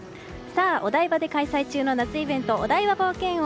お台場で開催中の夏イベントお台場冒険王。